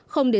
không để sợ